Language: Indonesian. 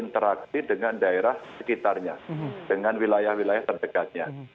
interaksi dengan daerah sekitarnya dengan wilayah wilayah terdekatnya